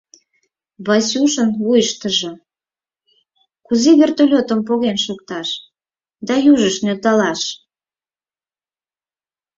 Васюшын вуйыштыжо: «Кузе вертолётым поген шукташ да южыш нӧлталаш?